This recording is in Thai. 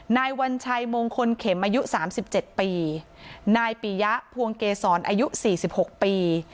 นายวัญชัยมงคลเข็มอายุ๓๗ปีนายปียะพวงเกษรอายุ๔๖ปี